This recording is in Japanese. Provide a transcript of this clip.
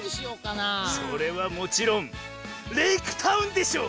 それはもちろんレイクタウンでしょ！